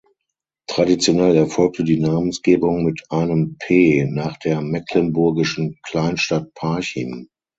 Traditionell erfolgte die Namensgebung mit einem "P" nach der mecklenburgischen Kleinstadt Parchim.